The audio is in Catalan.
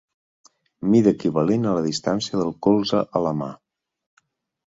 Mida equivalent a la distància del colze a la mà.